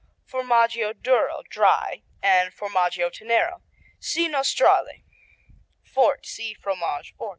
Formaggio Duro (Dry) and Formaggio Tenero see Nostrale. Fort see Fromage Fort.